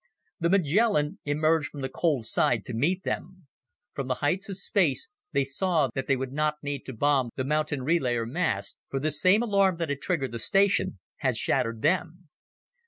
The Magellan emerged from the cold side to meet them. From the heights of space, they saw that they would not need to bomb the mountain relayer masts for the same alarm that had triggered the station had shattered them.